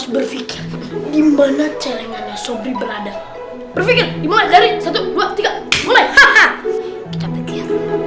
berpikir dimana celengannya sobrer berada berpikir dimulai dari satu ratus dua puluh tiga